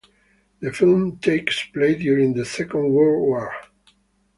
The film takes place during the Second World War.